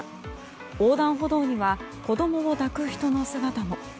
横断歩道には子供を抱く人の姿も。